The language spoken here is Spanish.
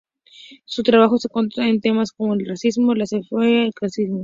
Su trabajo se centra en temas como el racismo, la xenofobia y el clasismo.